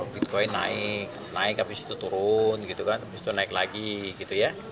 bitcoin naik naik habis itu turun habis itu naik lagi